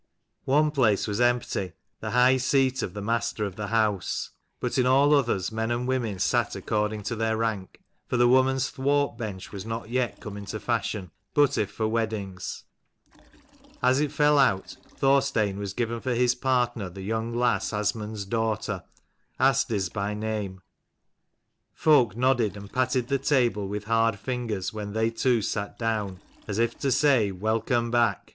One place was empty, the high seat of the master of the house : but in all others men and women sat according to their rank, for the women's thwart bench was not yet come into fashion, but if for weddings. As it fell out, Thorstein was given for his partner the young lass Asmund's daughter, Asdis by name. Folk nodded and patted the table with hard ringers when they two sat down, as if to say st Welcome back